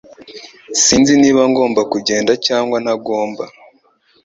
Sinzi niba ngomba kugenda cyangwa ntagomba